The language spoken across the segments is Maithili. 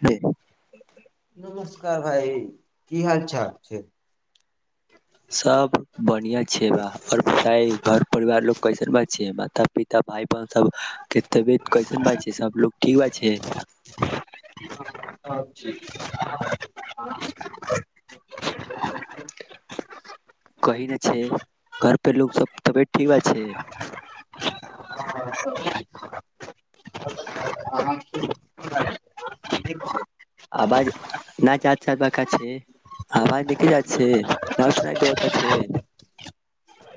जी का भाई की हाल चाल छै। सब बढ़िया छै बा और बताई त पिता भाय ब तब के तबियत कैसन बा छै। सबलोग ठीक बा छै। ठ की ने छै, घर पे लोक सब तबियत ठीक बात छै। ह ह आवाज न जात चात बका छै, आवाज नीक जात छै न सुना द तऽ छै।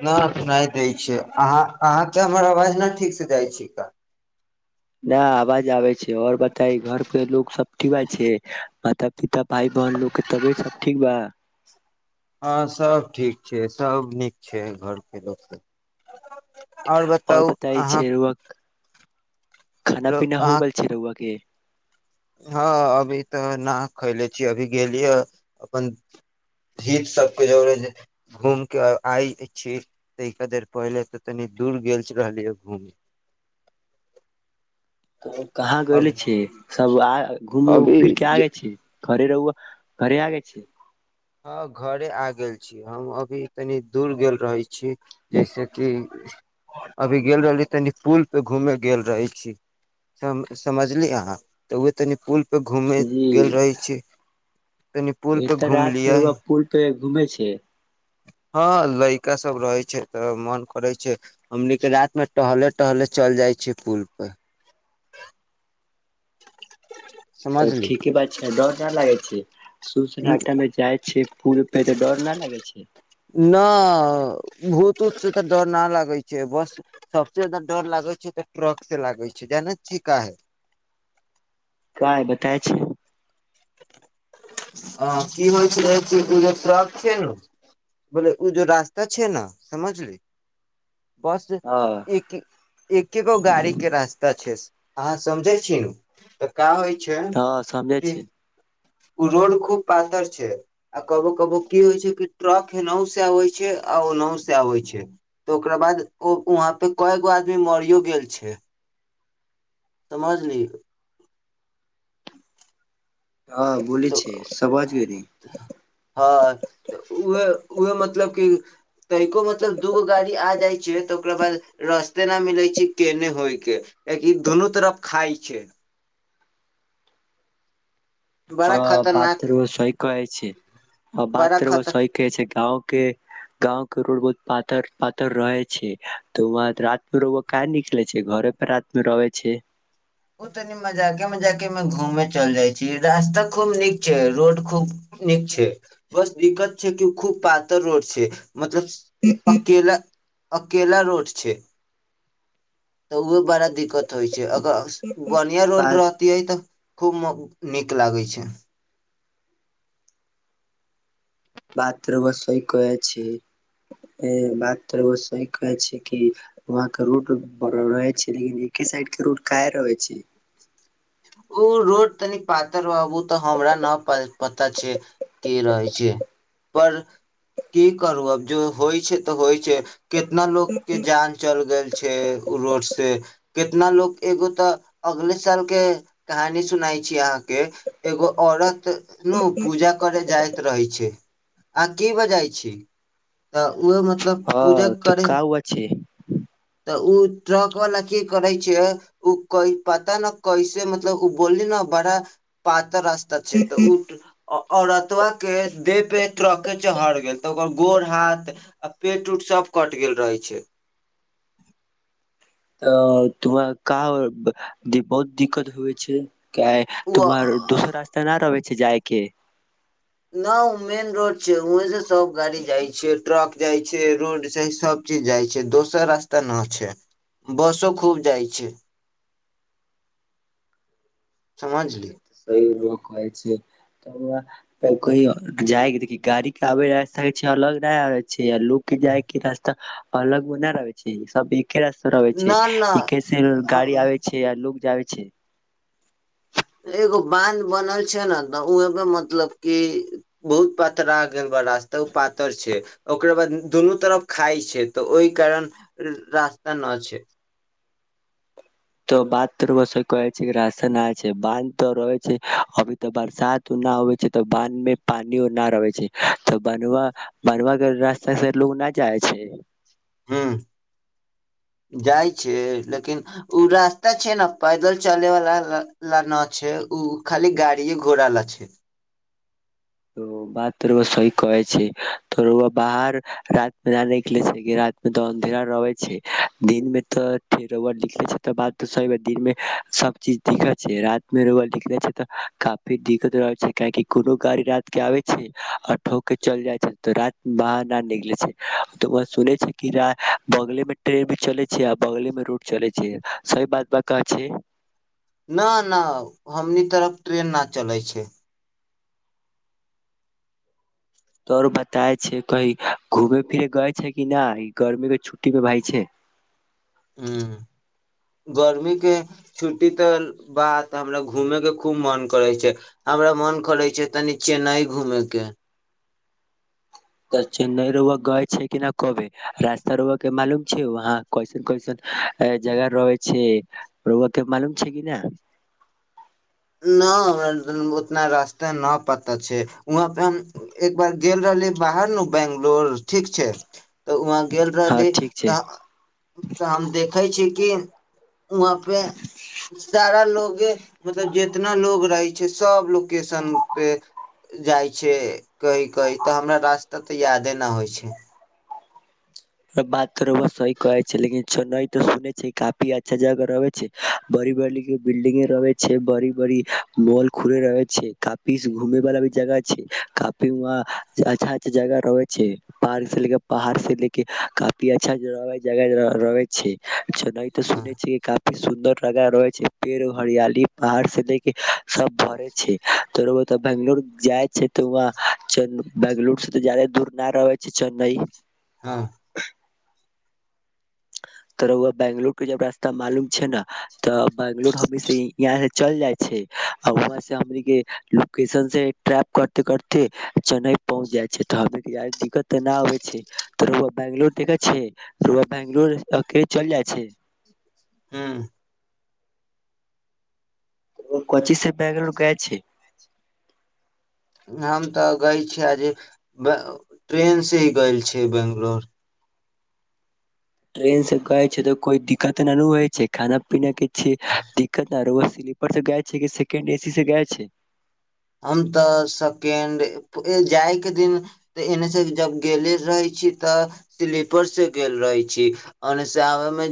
नहि सुना दै छिय अहाँ अहाँ तऽ हमर आवाज ने ठीकसँ जाइ छिका नहि आवाज आबै छै। आओर बताइ घर पे लोको सब ठीक बात छै। माता पिता भााय बहन लोकके तबियत सब ठीक बा हँ सभ ठीक छै, सभ नीक छै, घरके लोकसभ आओर बताई छै, रुवक खाना पीना अहाँ होगा्र हुआ के हँ अभी तऽ न खैले छीिय अभी गेलियै अपन हत सबके जे घूम के आइ छी तऽे देर पहिले तऽ तनी दूर गेल रहलियै घूम तऽ कहाँ गले छी सब घूम फिर के अभी आगे छी घरे रहु घरे आगे छै। हँ घरे आ गेल छी। हम अभी तनी दूर गेल रही छी। जैस किि अभी गेल रहली तनी पुल पे घूमे गेल रहे छी। समझलिय अहाँ तऽ उह तनी पुल प घूमै जी गेल रहैत छी। तनी पुल परे घूमली र ब कूल घुमे छै। हँ लड़िका सब रहै छै। तऽ मन करै छै। हमनीके रतिमे टहले टहले चल जाइ छै। पुल पर त तऽ ठीके बात छै डर डर लागै छै। सूसना जाइ छैियै पू प तऽ डर नहि लगै छै। न भूत उऊत से तऽ डर नहि लागै छै। बस सबसे जादा डर लागै छै। तऽ ट्रक से लागै छै। ज चीका है काय बताय छै अ की होइ छल कि ओ जे ट्रक छै ने बोले ओ जेो रास्ता छै ने समझली बस हँ एक एके गो गाड़ी के रास्ता छै अहाँ समझै छी न तऽ क होइ छै हँ समझे कि छै ओ रोड खूब पातर छै आ कबो कबो की होइ छै कि ट्रक एनाहो से अबै छै आ ओनाहो से आबै छै तऽ ओकरा बाद ओ वहाँ पे कय गो आदमी मरियो गेल छै समझ ली हँ बोलै तऽ छै समझ गेली हँऽ उह उह मतलब कि तै कोो मतलब दूगो गाड़ी आ जाइ क तऽ ओकरा बाद रस्ते न मिलै छै केने होइ के कि दुनू तरफ खााय छै बड़ा ओ खतरनाक बातरूमो सहि कहै छै बड़ा बातरूमो खतर सह कहै छै गाँ के गाँव के रोड बहुत पातर पातर रहे छै तऽ वहं रात मे क निकले छै घरे पर रात मे रहै छै के मे घूमे चल जाइ छी रास्ता खूब नीक छै रोड खूब नीक छै बस दिक्कत छै क खूब पातर रोड छै मतलब अकेला अकेला रोड छै तऽ उह बड़ा दिक्कत होइ छै अग बढ़िया रोड बात रहती है तऽ खूब नीक लागै छै बातरू बस कहै छी ह बात तऽ सही कहै छै कि वहाँ के रोड रहै छै लेकिन एके साइड के रूट क रहै छै ओ रोड तनि पातर बाबू तऽ हमरा नहि पता छै के रहै छै पर की करू अब जो होइ छै तऽ होइ छै कितना लोग के जान चल गेल छै उ रोड से से कितना लोग एगो तऽ अगले साल के कहानी सुनाइ छी अहाँके के एगो औरत न पूजा करे जाइत रहै छै आ की बजइ छी तऽ ओहो मतलब हँ पूजा तऽ करै का हुआ छै तऽ उ ट्रक वाला की करे छै उ क पता न कैसे मतलब ओ बोलली न बड़ा पातर्त तऽ उठ औरतबा के देह पे त्रके चहर गेल तऽ ओकर गोर हाथ आ पेट उट सभ कटि गेल रहै छै त तोर क बहुत दिक्कत हो छै उ तोमर दोसर रास्ता न रहब जायके न ओ मेन रोड छै वहेंसँ सब गाड़ी जाइ छै ट्रक जाइ छै रोड स सब चीज जाइ छै दोसर रास्ता न छै बसो खूब जाइ छै समझलि कह जाय देख गाड़ी के आबे छै अलग नहि आ छै या लोक जायके रास्ता अलग मे नय रहै छी अभी स रह न न छै कैसे गाड़ी आबे छै आ ल लोकग जाे छै छै एगो बान्ध बनल छै ने तऽ ओमे मतलब कि बहुत पातरा गेल ब रास्ता ओ पातर छै ओकरा बाद दुनू तरफ खाइ छै तऽ ओहि कारण रास्ता नहि छै तऽ बात तो कहै छै रास्ता नहि छै बानध तऽ रहै छै अभी तऽ बरसात उ नहि होबै छै तऽ बाँध मे पानी उना रहै छै तऽ बन बन के रास्ता से लोग नहि जाइ छै ह्म जाइ छै लेकिन ओ रास्ता छै ने पैदल चलैवला लए नहि छै ओ खाली गाड़िए घोड़ा लए छै बात त सी कहै छै त बाहर र मे नहि निकले छै रात मे त अन्धेरा रहे छै दिन मे तऽ निकले छै त बात स दिन मे सब चीज दिक्कत छै रात मे रोब निकले छै तऽ काफी दिक्कत रहै छै काहि कोनो गाड़ी आबे छै आ ठोक के चल जाइ छै तऽ रात बाहर न निकले छै सुनै छै बगले ट्रेन भी चले छै आ बले मे रूड चले छै सही बात ब कह छै न न हमनी तरफ ट्रेन न चलै छै तोरो बताए छै कही घूमे फिरे गए छै कि नहि गर्मी के छुट्टी मे भाय छै ह्म गर्मीके छुट्टी तऽ बाद हमरा घूमयके खूब मन करै छै हमरा मोन करै छै तनी चेन्नई घूमयके तऽ चेन्नई र गए छै कि नहि कबे रास्ता र के मालूम छै वहाँ कैसन कैसन जगह रहै छै र के मालूम छै कि नहि न उतना रास्ता न पता छै वहाँ पे हम एक बार गेल रहली बाहर न बंगलोर ठीक छै तऽ वहाँ गेल हँ रहली ठीक छै। तऽ हम देखे छी कि वहाँ पे सारा लोग जेतना लोग रहै छै सब लोकेशन पे जाइ छै कही कही तऽ हमरा रास्ता तऽ यादे न होइ छै त बात तो रउआ सही कहै छै लेकिन चेन्नई सुने र छै काफी अच्छा जगह रहे छै बड़ी बड़ी बिल्डिंगे रहे छै बड़ी बड़ी मॉल खुले रहे छै काफी घूमे वाला भी जगह छै काफी वहां अच्छा अच्छा जगह रहे छै पार्क से लेके पहाड़ से ले काफी अच्छा ज रहै छै अच्छा नहि तऽ हँ सुनै छियै कि का सुन्दर लगा रह छै पेड़ हरियाली पहाड़ से सब भर छै रउआ तऽ बंगलुर जाइ छै तऽ वहं चेन् बंगलुर से तऽ जादे दूर न रहै छै चेन्नई हँ रउआ बंगलोर के जब रास्ता मालूम छै ने तऽ बंगलोर हमनी से यहाँ से चल जाइ छै आ वहाँ से हमन के लोकेशन से ट्रैप करते करते चेन्नई पहुँच जाइ छै तऽ हम दिक्कत तऽ नहि आबे छै तर ब बेंगलोर देखे छै रउआ बंगलोर के चल जाइ छै हँ कच्चीस पग लोकके छै हम तऽ गै छियै आ जे ब ट्रेनसँ ही गेल छियै बेंगलोर ट्रेन से गए छै तऽ कोइ दिक्कत नहि होइ छै खाना पीना के छिय दिक्कत नहि रह स्लीपर से गए छै कि सेकेंड एसी से गए छै हम तऽ सकेण्ड जायके दिन तऽ एन्नऽसँ जब गेले रहै छी तऽ स्लीपरसँ गेल रहै छी ओन्नऽसँ आबयमे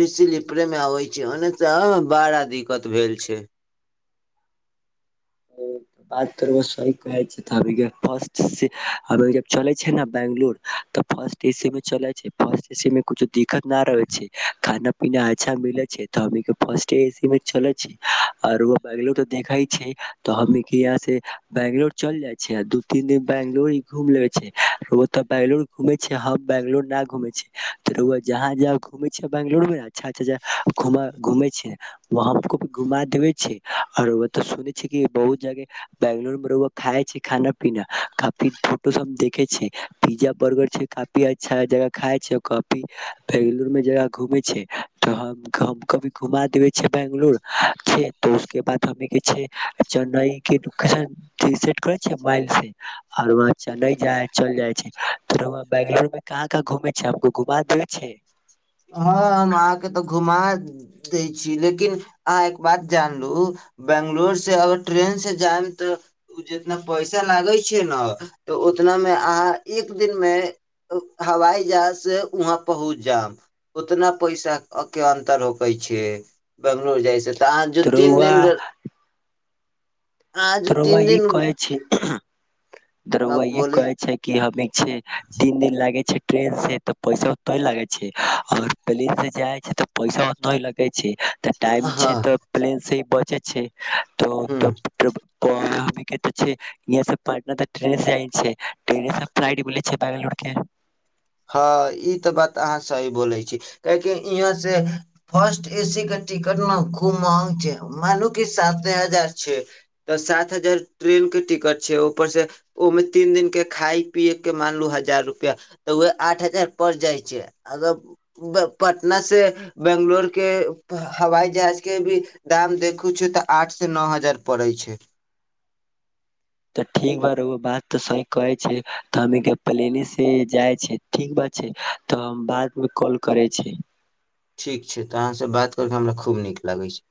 भी स्लीपरेमे आबै छी ओन्नऽसँ आबयमे बड़ा दिक्कत भेल छै चले छै ने बंगलुरु तऽ फर्ट एसी मे चले छै फर्ट एी मे कुछो दिक्कत न रहे छै खाना पीना अच्छा मिले छै तऽ फर्ट एी मे चले छै आर बंगलोर त देखे छै तऽ हम यहा बंगलोर चल जाय छी दू तीन दिन बंगलोर घूम ले छै बंगलोर घुमे छै हम बंगलोर न घुमे जहा जा घूमे छ ब बेंगलो मे अच्छा अच्छाु घू छै वहा हमको भी घुमा देव आर सु बहुत जगह बंगलोर में खाय छै खाना पीना काफी फोटो से हम देखे छ पिज्जा बर्गर छै काफी अच्छा जगह खाय छै काफी बंगलोर में जगह घूमे छै त कभी घुमा देवे छ बैंगलोर छै तऽ उसके बाद हमे के छै चेन्नई के लोकेशनट करै छै माइल से आर वह चेन्नई चल जाइ छै व बंगलो में कहाँ कहाँ घुमे छै हमको घुमा देे छै हँ हम अहाँके तऽ घुमा दै छी लेकिन अहाँ एक बात जानलहु बंगलोर से अगर ट्रेन से जायम तऽ ओ जितना पैसा लागै छै ने तऽ उतना मे अहाँ एक दिन मे हवाई जहाज से वहाँ पहुँच जायब उतना पैसाक के अन्तर होकै छै बंगलोर जाइस तऽ अहाँ जे त तीन दिन अहाँ जो तरोब तीन ई दिन कहै छै तरु हँ ई बोली कहै छै कि हम छ तीन दिन लागे छै ट्रेन से ते पैसा उते ह लगे छै। और प्लेन से जाय छै। ते पैसा ओतो लगे छै। तऽ टाइम छै। हँ तऽ प्लेन ही बच छै तऽ ह तब त त पटना तऽ ट्र्रंगलो के हँ ई तऽ बात अहाँ सही बोलै छी। काहेकि यहाँ से फर्स्ट ए सी के टिकट ने खूब महग छै। मानलू कि साते हजार छै। तऽ सात हजार ट्रेन के टिकट छै। ऊपर से ओहिमे तीन दिनक के खााय पियए के मानलू हजार रुपआ तऽ उह आठ हजार पड़ जाइ छै। अगर पटना से बंगलोर के हवाई जहाज के भी दाम देखू छै, तऽ आठ से नओ हजार पड़ै छै। तऽ ठीक बात रह बात तऽ सही कहै छै। तऽ हम प्लेने से जाइ छ। ठीक बात छै। तऽ हम बादमे कॉल करै छी। ठीक छै। तऽ अहाँसँ बात कर कऽ हमरा खूब नीक लागै छै।